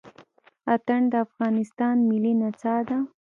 اتڼ د افغانستان ملي نڅا ده.